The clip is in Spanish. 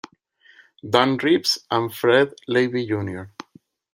Dan Reeves and Fred Levy Jr.